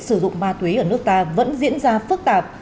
sử dụng ma túy ở nước ta vẫn diễn ra phức tạp